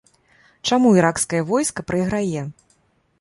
Чаму іракскае войска прайграе?